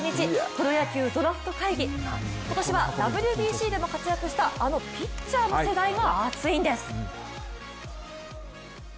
プロ野球ドラフト会議、今年はＷＢＣでも活躍したあのピッチャーの世代が熱いんです。